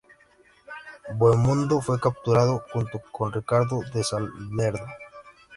Bohemundo fue capturado junto con Ricardo de Salerno.